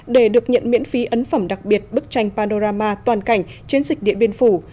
để được nhận miễn phí ấn phẩm đặc biệt bức tranh panorama toàn cảnh chiến dịch điện biên phủ